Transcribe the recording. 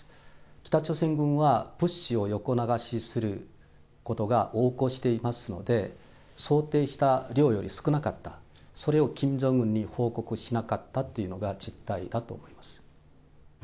北朝鮮軍は、物資を横流しすることが横行していますので、想定した量より少なかった、それをキム・ジョンウンに報告しなかったっていうのが実態だと思います。